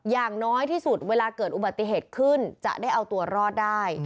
อย่างน้อยที่สุดเวลาเกิดอุบัติเหตุขึ้นจะได้เอาตัวรอดได้